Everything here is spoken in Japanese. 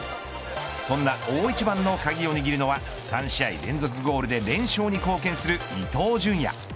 そんな大一番の鍵を握るのは３試合連続ゴールで連勝に貢献する伊東純也。